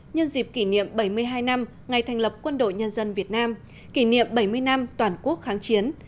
nhân dịp kỷ niệm bảy mươi hai năm ngày thành lập quân đội nhân dân việt nam kỷ niệm bảy mươi năm toàn quốc kháng chiến